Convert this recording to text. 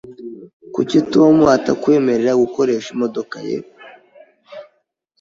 Kuki Tom atakwemerera gukoresha imodoka ye?